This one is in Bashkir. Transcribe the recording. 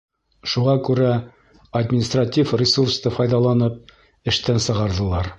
Шуға күрә, административ ресурсты файҙаланып, эштән сығарҙылар.